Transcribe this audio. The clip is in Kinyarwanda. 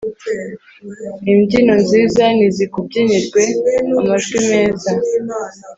imbyino nziza nizikubyinirwe, amajwi meza